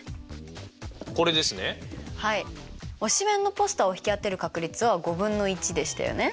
推しメンのポスターを引き当てる確率は５分の１でしたよね。